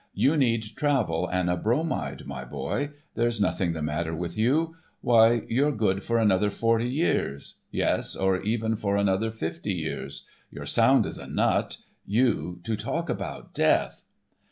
"You need travel and a bromide, my boy. There's nothing the matter with you. Why, you're good for another forty years,—yes, or even for another fifty years. You're sound as a nut. You, to talk about death!"